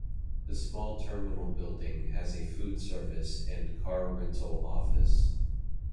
The small terminal building has a food service and car rental office.